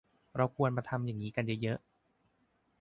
เราควรมาทำอย่างนี้กันเยอะเยอะ